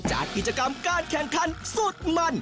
จากกิจกรรมการแข่งขันสุดมัน